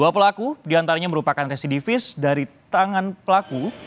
dua pelaku diantaranya merupakan residivis dari tangan pelaku